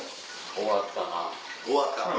終わった。